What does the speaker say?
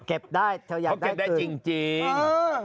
เก็บได้เธอยากได้คืนเพราะเก็บได้จริง